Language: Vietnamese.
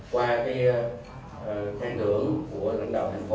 qua cái thanh tưởng của lãnh đạo thành phố